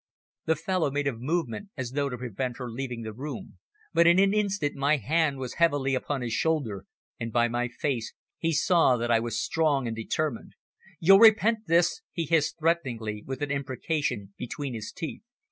The fellow made a movement as though to prevent her leaving the room, but in an instant my hand was heavily upon his shoulder, and by my face he saw that I was strong and determined. "You'll repent this!" he hissed threateningly, with an imprecation, between his teeth.